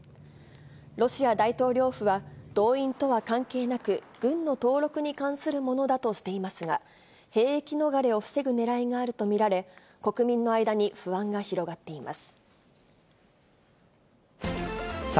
ロシア大統領府は、動員とは関係なく、軍の登録に関するものだとしていますが、兵役逃れを防ぐねらいがあると見られ、国民の間に不安が広がっています。